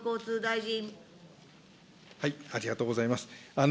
ありがとうございます。